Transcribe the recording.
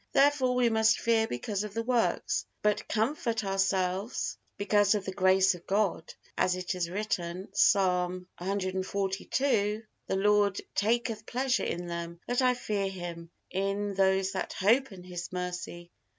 Therefore we must fear because of the works, but comfort ourselves because of the grace of God, as it is written, Psalm cxlvii: "The Lord taketh pleasure in them that I fear Him, in those that hope in His mercy."